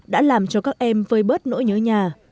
đã làm cho các em vơi bớt nỗi nhớ nhà